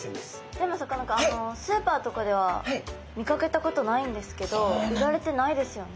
でもさかなクンあのスーパーとかでは見かけたことないんですけど売られてないですよね。